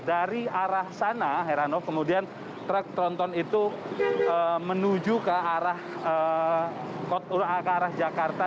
dari arah sana heran awal kemudian trek tronton itu menuju ke arah jakarta